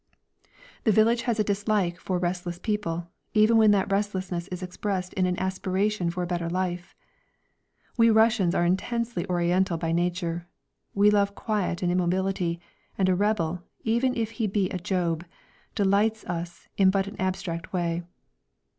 The village has a dislike for restless people, even when that restlessness is expressed in an aspiration for a better life. We Russians are intensely Oriental by nature, we love quiet and immobility, and a rebel, even if he be a Job, delights us in but an abstract way.